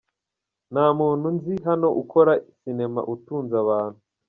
"Nta muntu nzi hano ukora sinema utunze abantu.